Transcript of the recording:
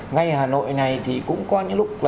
ngay hà nội này thì cũng có những lúc